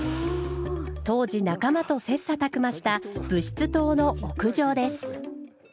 当時仲間と切磋琢磨した部室棟の屋上です。